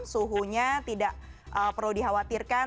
suhunya tidak perlu dikhawatirkan